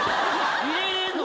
入れれんの？